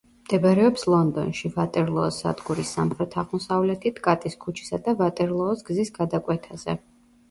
მდებარეობს ლონდონში, ვატერლოოს სადგურის სამხრეთ-აღმოსავლეთით, კატის ქუჩისა და ვატერლოოს გზის გადაკვეთაზე.